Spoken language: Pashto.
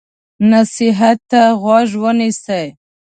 نصیحت ته غوږ ونیسئ.